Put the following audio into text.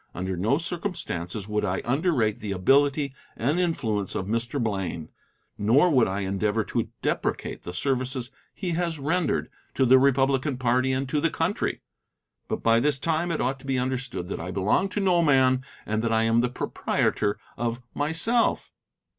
Under no circumstances would I underrate the ability and influence of Mr. Blaine, nor would I endeavor to deprecate the services he has rendered to the Republican party and to the country. But by this time it ought to be understood that I belong to no man, that I am the proprietor of myself.